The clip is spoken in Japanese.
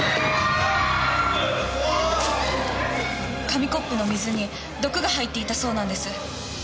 紙コップの水に毒が入っていたそうなんです。